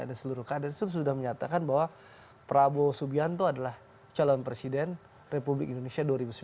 ada seluruh kader sudah menyatakan bahwa prabowo subianto adalah calon presiden republik indonesia dua ribu sembilan belas